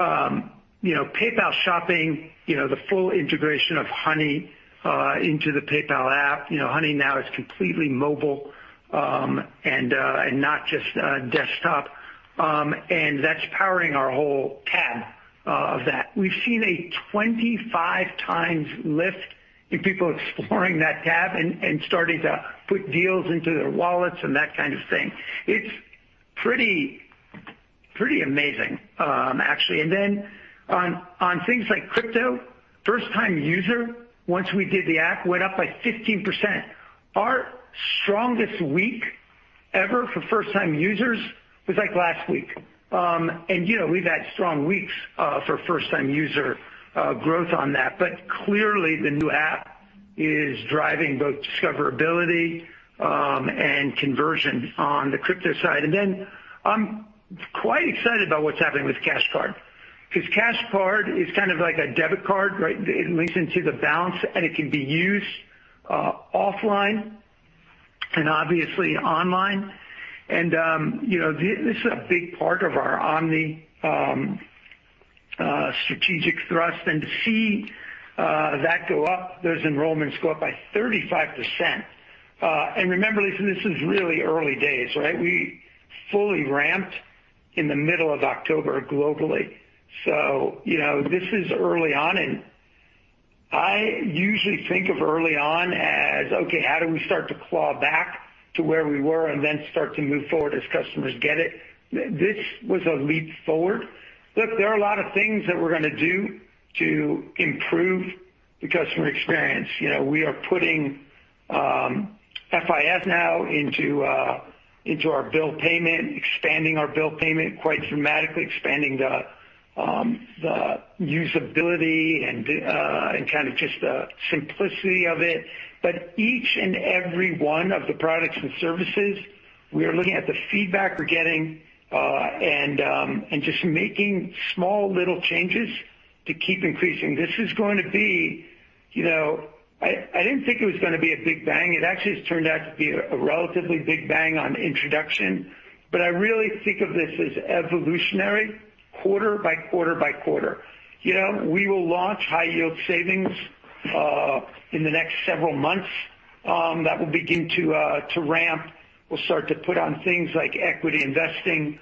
Speaker 3: PayPal Shopping, you know, the full integration of Honey into the PayPal app. You know, Honey now is completely mobile, and not just desktop. And that's powering our whole tab of that. We've seen a 25x lift in people exploring that tab and starting to put deals into their wallets and that kind of thing. It's pretty amazing, actually. Then on things like crypto, first-time user, once we did the app, went up by 15%. Our strongest week ever for first-time users was like last week. You know, we've had strong weeks for first-time user growth on that, but clearly the new app is driving both discoverability and conversion on the crypto side. I'm quite excited about what's happening with Cash Card because Cash Card is kind of like a debit card, right? It links into the balance, and it can be used offline and obviously online. You know, this is a big part of our omni strategic thrust. To see that go up, those enrollments go up by 35%. Remember, listen, this is really early days, right? We fully ramped in the middle of October globally. You know, this is early on, and I usually think of early on as, okay, how do we start to claw back to where we were and then start to move forward as customers get it? This was a leap forward. Look, there are a lot of things that we're gonna do to improve the customer experience. You know, we are putting FIS now into our bill payment, expanding our bill payment quite dramatically, expanding the usability and kinda just the simplicity of it. Each and every one of the products and services, we are looking at the feedback we're getting, and just making small little changes to keep increasing. This is going to be, you know. I didn't think it was gonna be a big bang. It actually has turned out to be a relatively big bang on introduction, but I really think of this as evolutionary quarter by quarter by quarter. You know, we will launch high-yield savings in the next several months. That will begin to ramp. We'll start to put on things like equity investing.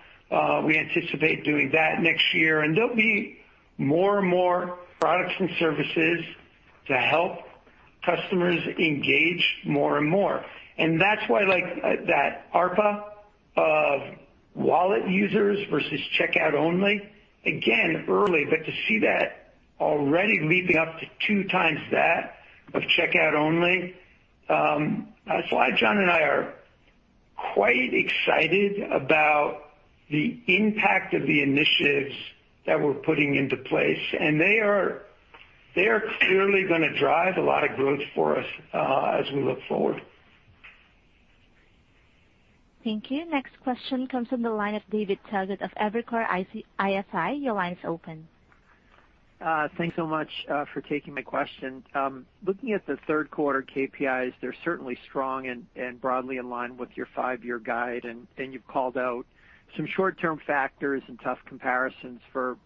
Speaker 3: We anticipate doing that next year. There'll be more and more products and services to help customers engage more and more. That's why, like, that ARPA of wallet users versus checkout-only, again, early, but to see that already leaping up to two times that of checkout-only, that's why John and I are quite excited about the impact of the initiatives that we're putting into place, and they are clearly gonna drive a lot of growth for us, as we look forward.
Speaker 1: Thank you. Next question comes from the line of David Togut of Evercore ISI. Your line is open.
Speaker 8: Thanks so much for taking my question. Looking at the third quarter KPIs, they're certainly strong and broadly in line with your five-year guide, and you've called out some short-term factors and tough comparisons for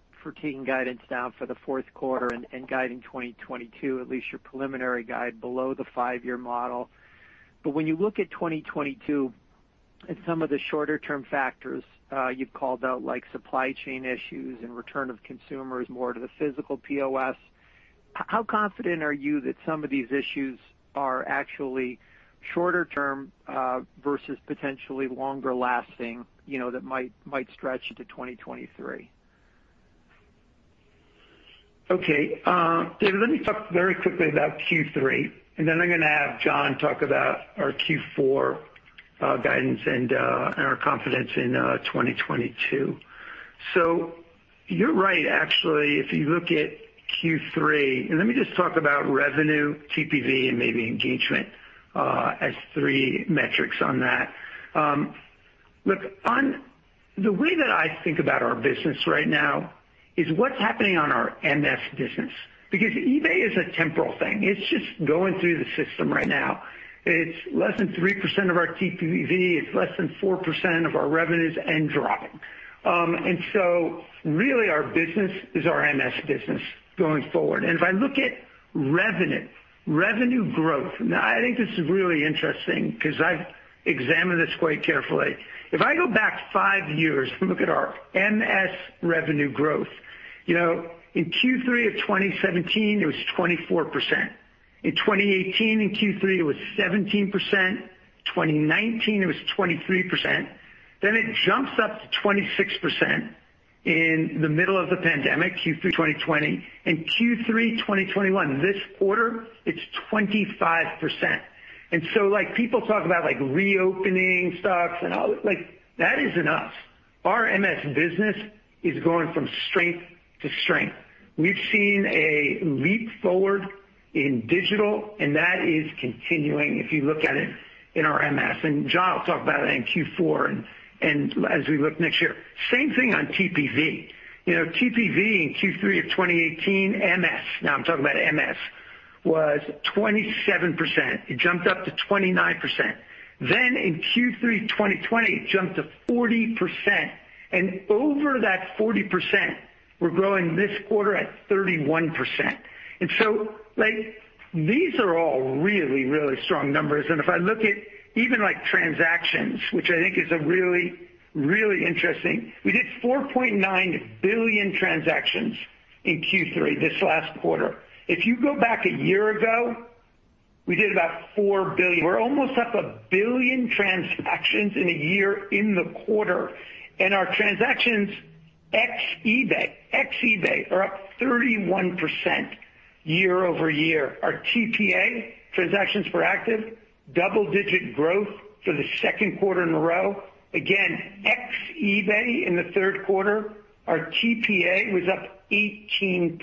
Speaker 8: taking guidance down for the fourth quarter and guiding 2022, at least your preliminary guide below the five-year model. When you look at 2022 and some of the shorter term factors you've called out, like supply chain issues and return of consumers more to the physical POS, how confident are you that some of these issues are actually shorter term versus potentially longer lasting, you know, that might stretch into 2023?
Speaker 3: Okay. David, let me talk very quickly about Q3, and then I'm gonna have John talk about our Q4 guidance and our confidence in 2022. You're right, actually. If you look at Q3, and let me just talk about revenue, TPV, and maybe engagement as three metrics on that. The way that I think about our business right now is what's happening on our MS business because eBay is a temporal thing. It's just going through the system right now. It's less than 3% of our TPV. It's less than 4% of our revenues and dropping. Really our business is our MS business going forward. If I look at revenue growth, now I think this is really interesting 'cause I've examined this quite carefully. If I go back five years and look at our MS revenue growth. You know, in Q3 of 2017, it was 24%. In 2018 in Q3, it was 17%. In 2019, it was 23%. Then it jumps up to 26% in the middle of the pandemic, Q3 2020. In Q3 2021, this quarter, it's 25%. Like, people talk about, like, reopening stocks and all. Like, that isn't us. Our MS business is going from strength to strength. We've seen a leap forward in digital, and that is continuing if you look at it in our MS. John will talk about it in Q4 and as we look next year. Same thing on TPV. You know, TPV in Q3 of 2018, MS, now I'm talking about MS, was 27%. It jumped up to 29%. In Q3 2020, it jumped to 40%. Over that 40%, we're growing this quarter at 31%. Like, these are all really, really strong numbers. If I look at even, like, transactions, which I think is a really, really interesting. We did 4.9 billion transactions in Q3 this last quarter. If you go back a year ago, we did about 4 billion. We're almost up 1 billion transactions in a year in the quarter, and our transactions ex-eBay are up 31% year-over-year. Our TPA, transactions per active, double-digit growth for the second quarter in a row. Again, ex-eBay in the third quarter, our TPA was up 18%.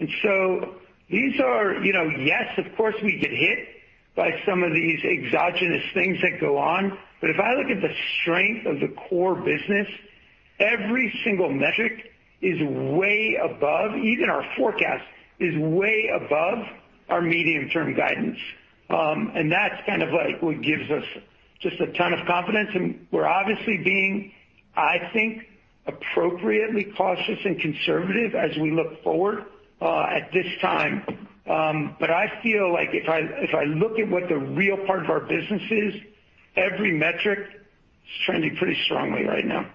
Speaker 3: These are, you know... Yes, of course, we get hit by some of these exogenous things that go on, but if I look at the strength of the core business, every single metric is way above even our forecast, is way above our medium-term guidance. That's kind of, like, what gives us just a ton of confidence. We're obviously being, I think, appropriately cautious and conservative as we look forward, at this time. I feel like if I look at what the real part of our business is, every metric is trending pretty strongly right now.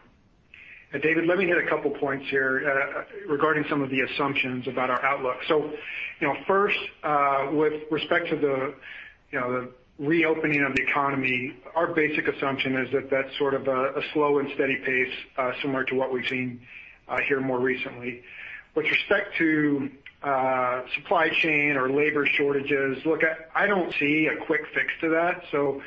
Speaker 4: David, let me hit a couple points here, regarding some of the assumptions about our outlook. So, you know, first, with respect to the, you know, the reopening of the economy, our basic assumption is that that's sort of a slow and steady pace, similar to what we've seen here more recently. With respect to supply chain or labor shortages, look, I don't see a quick fix to that, so, you know,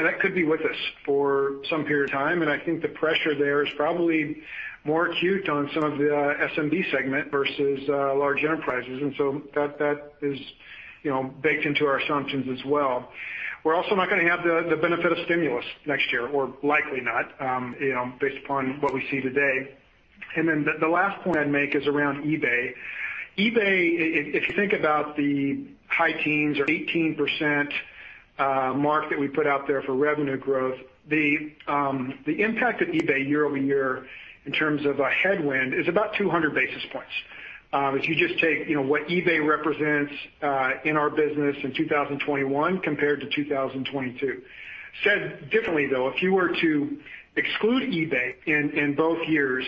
Speaker 4: that could be with us for some period of time, and I think the pressure there is probably more acute on some of the SMB segment versus large enterprises, and so that is, you know, baked into our assumptions as well. We're also not gonna have the benefit of stimulus next year, or likely not, you know, based upon what we see today. The last point I'd make is around eBay. eBay, if you think about the high teens or 18% mark that we put out there for revenue growth, the impact of eBay year over year in terms of a headwind is about 200 basis points, if you just take, you know, what eBay represents in our business in 2021 compared to 2022. Said differently, though, if you were to exclude eBay in both years,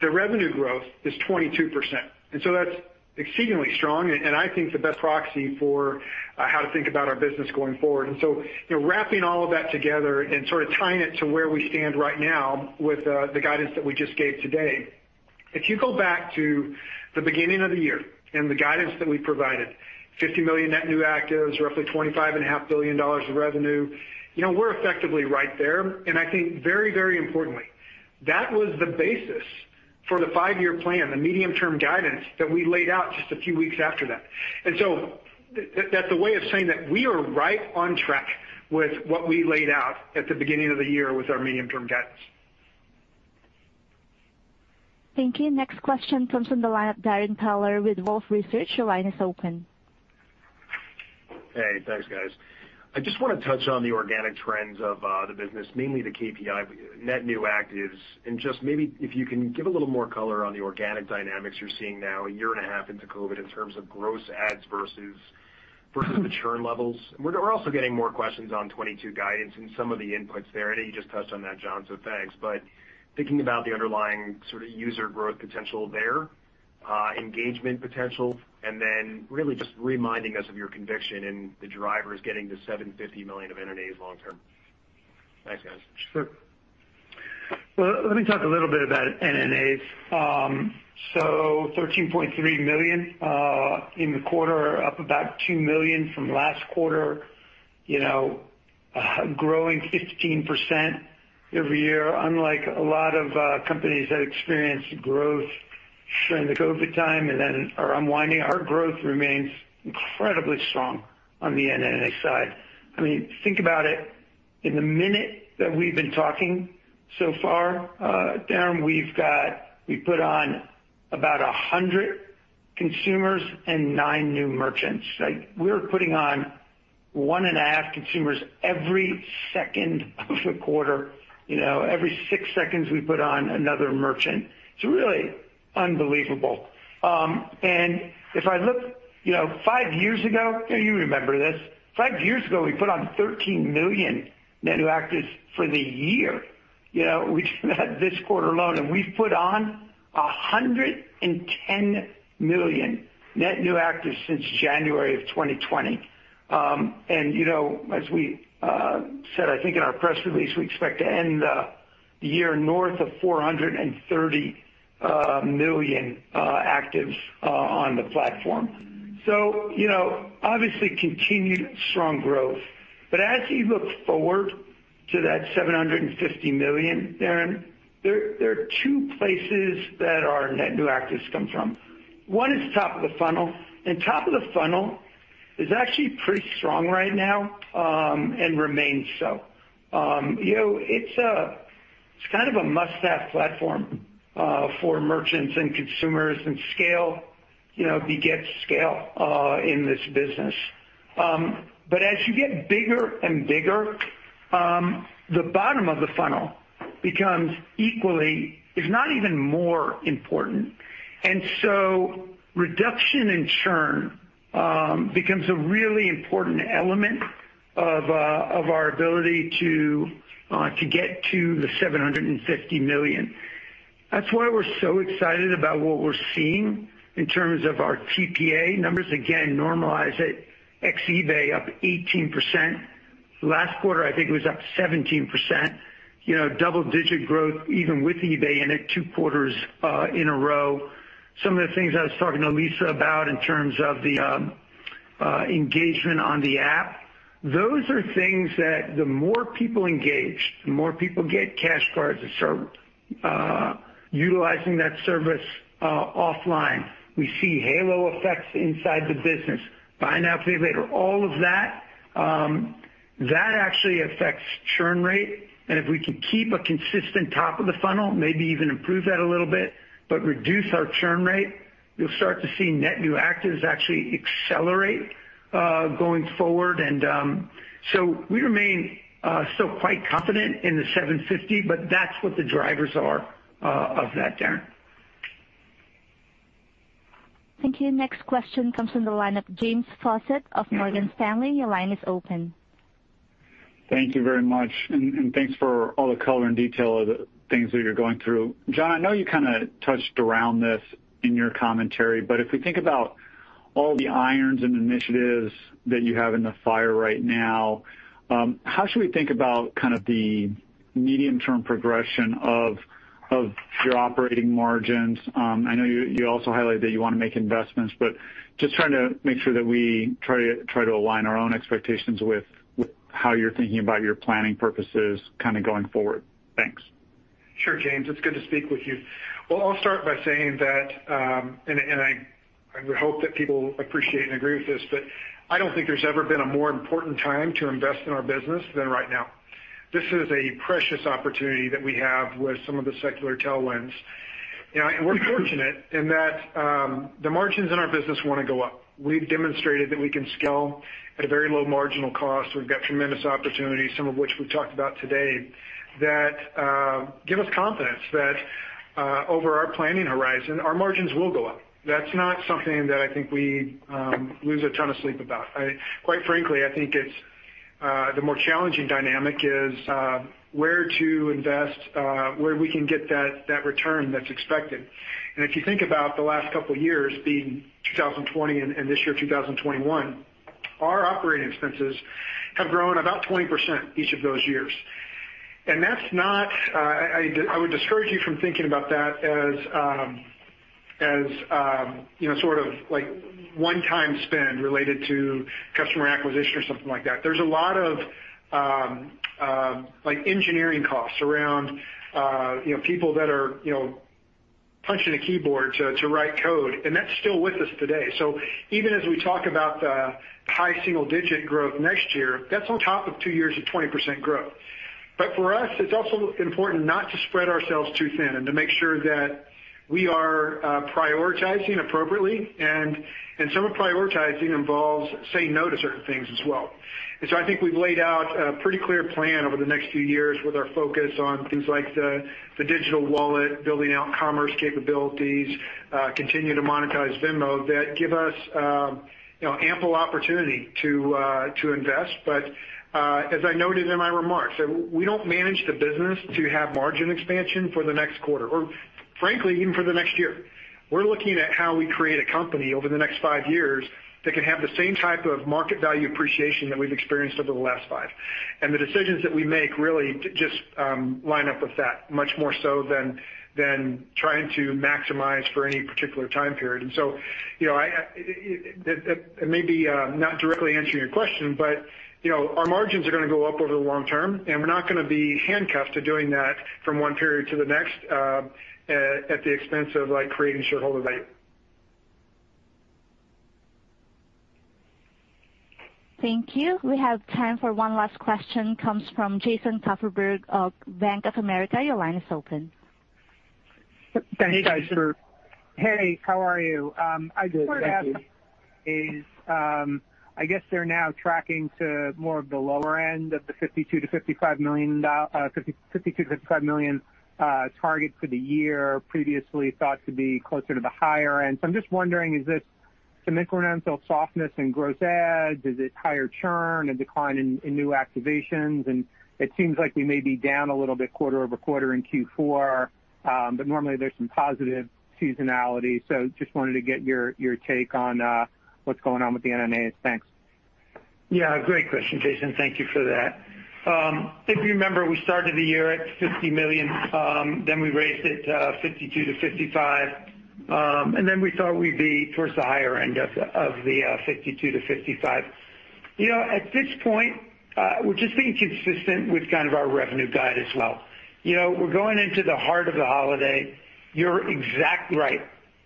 Speaker 4: the revenue growth is 22%, and so that's exceedingly strong and I think the best proxy for how to think about our business going forward. You know, wrapping all of that together and sort of tying it to where we stand right now with the guidance that we just gave today, if you go back to the beginning of the year and the guidance that we provided, 50 million net new actives, roughly $25.5 billion of revenue, you know, we're effectively right there. I think very, very importantly, that was the basis for the five-year plan, the medium-term guidance that we laid out just a few weeks after that. That's a way of saying that we are right on track with what we laid out at the beginning of the year with our medium-term guidance.
Speaker 1: Thank you. Next question comes from the line of Darrin Peller with Wolfe Research. Your line is open.
Speaker 9: Hey. Thanks, guys. I just wanna touch on the organic trends of the business, mainly the KPI net new actives, and just maybe if you can give a little more color on the organic dynamics you're seeing now a year and a half into COVID in terms of gross adds versus churn levels. We're also getting more questions on 2022 guidance and some of the inputs there. I know you just touched on that, John, so thanks. Thinking about the underlying sort of user growth potential there, engagement potential, and then really just reminding us of your conviction in the drivers getting to 750 million of NNAs long term. Thanks, guys.
Speaker 4: Sure. Well, let me talk a little bit about NNAs. So 13.3 million in the quarter, up about 2 million from last quarter, you know, growing 15% every year. Unlike a lot of companies that experienced growth during the COVID time and then are unwinding, our growth remains incredibly strong on the NNA side. I mean, think about it. In the minute that we've been talking so far, Darrin, we've put on about 100 consumers and nine new merchants. Like, we're putting on one and a half consumers every second of the quarter. You know, every six seconds, we put on another merchant. It's really unbelievable. If I look, you know, five years ago, you remember this, five years ago, we put on 13 million net new actives for the year. You know, we had this quarter alone, and we've put on 110 million net new actives since January of 2020. You know, as we said, I think in our press release, we expect to end the year north of 430 million actives on the platform. You know, obviously continued strong growth. As you look forward to that 750 million, Darrin, there are two places that our net new actives come from. One is top of the funnel, and top of the funnel is actually pretty strong right now and remains so. You know, it's kind of a must-have platform for merchants and consumers, and scale, you know, begets scale in this business. As you get bigger and bigger, the bottom of the funnel becomes equally, if not even more important. Reduction in churn becomes a really important element of our ability to get to 750 million. That's why we're so excited about what we're seeing in terms of our TPA numbers. Again, normalize it, ex-eBay up 18%. Last quarter, I think it was up 17%. You know, double-digit growth even with eBay in it two quarters in a row. Some of the things I was talking to Lisa about in terms of the engagement on the app, those are things that the more people engage, the more people get Cash Cards and start utilizing that service offline. We see halo effects inside the business. Buy now, pay later, all of that, that actually affects churn rate. If we can keep a consistent top of the funnel, maybe even improve that a little bit, but reduce our churn rate, you'll start to see net new actives actually accelerate going forward. We remain still quite confident in the 750 million, but that's what the drivers are of that, Darrin.
Speaker 1: Thank you. Next question comes from the line of James Faucette of Morgan Stanley. Your line is open.
Speaker 10: Thank you very much, and thanks for all the color and detail of the things that you're going through. John, I know you kinda touched around this in your commentary, but if we think about all the irons and initiatives that you have in the fire right now, how should we think about kind of the medium-term progression of your operating margins? I know you also highlighted that you wanna make investments, but just trying to make sure that we try to align our own expectations with how you're thinking about your planning purposes kinda going forward. Thanks.
Speaker 4: Sure, James. It's good to speak with you. Well, I'll start by saying that I would hope that people appreciate and agree with this, but I don't think there's ever been a more important time to invest in our business than right now. This is a precious opportunity that we have with some of the secular tailwinds. You know, and we're fortunate in that the margins in our business wanna go up. We've demonstrated that we can scale at a very low marginal cost. We've got tremendous opportunities, some of which we've talked about today, that give us confidence that over our planning horizon, our margins will go up. That's not something that I think we lose a ton of sleep about. Quite frankly, I think it's the more challenging dynamic is where to invest where we can get that return that's expected. If you think about the last couple years being 2020 and this year, 2021, our operating expenses have grown about 20% each of those years. That's not... I would discourage you from thinking about that as you know, sort of like one-time spend related to customer acquisition or something like that. There's a lot of like engineering costs around you know, people that are you know, punching a keyboard to write code, and that's still with us today. Even as we talk about high single digit growth next year, that's on top of two years of 20% growth. For us, it's also important not to spread ourselves too thin and to make sure that we are prioritizing appropriately. Some of prioritizing involves saying no to certain things as well. I think we've laid out a pretty clear plan over the next few years with our focus on things like the digital wallet, building out commerce capabilities, continue to monetize Venmo that give us, you know, ample opportunity to invest. As I noted in my remarks, we don't manage the business to have margin expansion for the next quarter or frankly, even for the next year. We're looking at how we create a company over the next five years that can have the same type of market value appreciation that we've experienced over the last five. The decisions that we make really just line up with that much more so than trying to maximize for any particular time period. You know, it may be not directly answering your question, but, you know, our margins are gonna go up over the long term, and we're not gonna be handcuffed to doing that from one period to the next, at the expense of like creating shareholder value.
Speaker 1: Thank you. We have time for one last question, comes from Jason Kupferberg of Bank of America. Your line is open.
Speaker 11: Thank you, guys.
Speaker 3: Hey, how are you?
Speaker 11: I'm good, thank you. I guess they're now tracking to more of the lower end of the 52 million-55 million target for the year previously thought to be closer to the higher end. I'm just wondering, is this sequential softness in gross adds? Is it higher churn, a decline in new activations? It seems like we may be down a little bit quarter-over-quarter in Q4, but normally there's some positive seasonality. I just wanted to get your take on what's going on with the NNAs. Thanks.
Speaker 3: Yeah, great question, Jason. Thank you for that. If you remember, we started the year at 50 million, then we raised it to 52 million-55 million. Then we thought we'd be towards the higher end of the 52 million-55 million. You know, at this point, we're just being consistent with kind of our revenue guide as well. You know, we're going into the heart of the holiday. You're exactly right.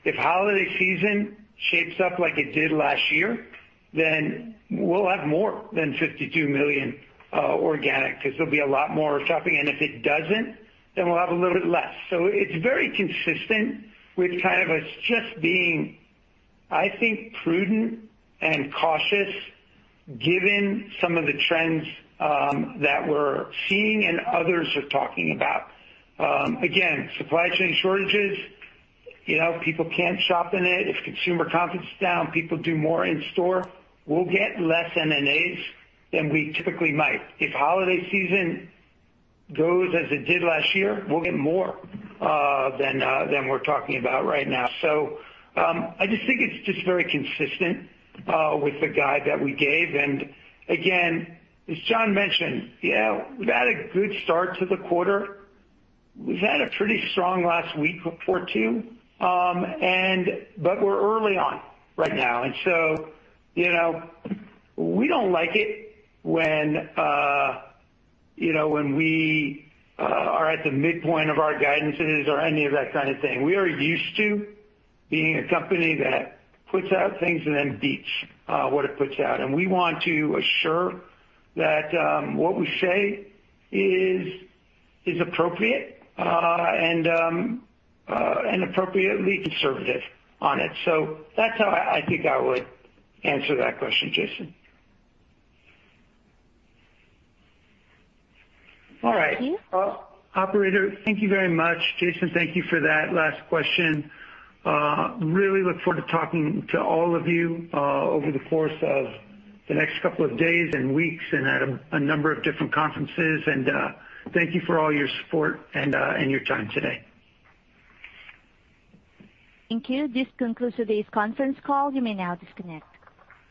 Speaker 3: If holiday season shapes up like it did last year, then we'll have more than 52 million organic, 'cause there'll be a lot more shopping. If it doesn't, then we'll have a little bit less. It's very consistent with kind of us just being, I think, prudent and cautious given some of the trends that we're seeing and others are talking about. Again, supply chain shortages, you know, people can't shop in it. If consumer confidence is down, people do more in store, we'll get less NNAs than we typically might. If holiday season goes as it did last year, we'll get more than we're talking about right now. I just think it's just very consistent with the guide that we gave. Again, as John mentioned, yeah, we've had a good start to the quarter. We've had a pretty strong last week or two, but we're early on right now. You know, we don't like it when you know, when we are at the midpoint of our guidances or any of that kind of thing. We are used to being a company that puts out things and then beats what it puts out. We want to assure that what we say is appropriate and appropriately conservative on it. That's how I think I would answer that question, Jason. All right.
Speaker 1: Thank you.
Speaker 3: Operator, thank you very much, Jason, thank you for that last question. Really look forward to talking to all of you over the course of the next couple of days and weeks and at a number of different conferences. Thank you for all your support and your time today.
Speaker 1: Thank you. This concludes today's conference call. You may now disconnect.